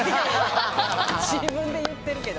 自分で言ってるけど。